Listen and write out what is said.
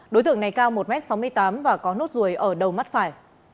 đối tượng này cao một m sáu mươi tám và có nốt ruồi ở đầu mắt phải